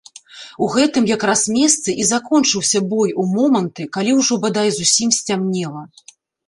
У гэтым якраз месцы і закончыўся бой у моманты, калі ўжо бадай зусім сцямнела.